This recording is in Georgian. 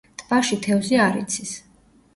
ტბაში თევზი არ იცის.